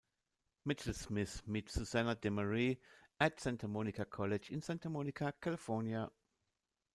Mitchell-Smith met Susannah Demaree at Santa Monica College in Santa Monica, California.